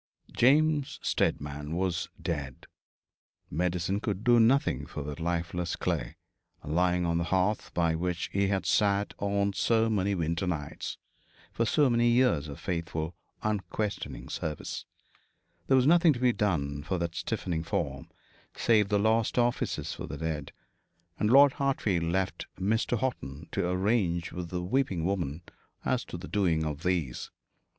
James Steadman was dead. Medicine could do nothing for that lifeless clay, lying on the hearth by which he had sat on so many winter nights, for so many years of faithful unquestioning service. There was nothing to be done for that stiffening form, save the last offices for the dead; and Lord Hartfield left Mr. Horton to arrange with the weeping woman as to the doing of these.